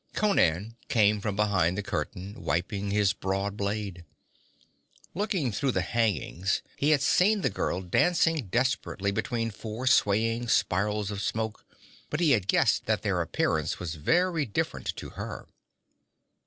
Conan came from behind the curtain, wiping his broad blade. Looking through the hangings he had seen the girl dancing desperately between four swaying spirals of smoke, but he had guessed that their appearance was very different to her.